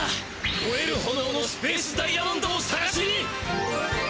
もえるほのおのスペースダイヤモンドをさがしに！